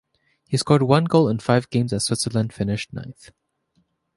He scored one goal in five games as Switzerland finished ninth.